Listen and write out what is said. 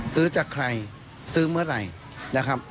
ซื้อจากใครซื้อเมื่อไหร่